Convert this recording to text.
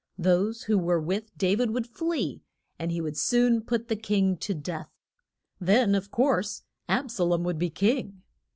Those who were with Dav id would flee, and he would soon put the king to death. Then, of course, Ab sa lom would be king.